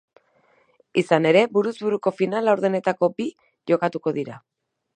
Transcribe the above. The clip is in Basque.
Izan ere, buruz buruko final-laurdenetako bi jokatuko dira.